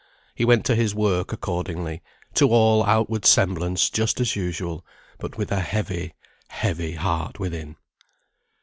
He went to his work, accordingly, to all outward semblance just as usual; but with a heavy, heavy heart within.